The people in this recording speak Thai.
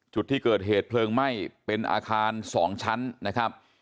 จุดที่เกิดเหตุเพลิงไหม้เป็นอาคาร๒ชั้นนะครับ